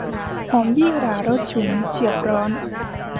หอมยี่หร่ารสฉุน เฉียบร้อน